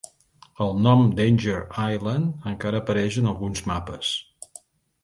El nom "Danger Island" encara apareix en alguns mapes.